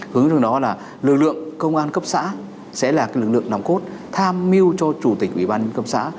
hướng dẫn trong đó là lực lượng công an cấp xã sẽ là lực lượng nằm cốt tham mưu cho chủ tịch ủy ban nhân dân cấp xã